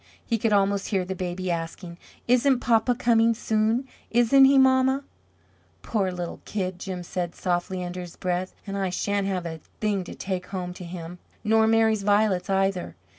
He could almost hear the baby asking; "Isn't papa coming soon? Isn't he, mamma?" "Poor little kid!" Jim said, softly, under his breath. "And I shan't have a thing to take home to him; nor Mary's violets, either.